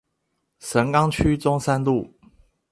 神岡區中山路